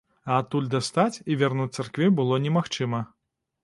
А адтуль дастаць і вярнуць царкве было немагчыма.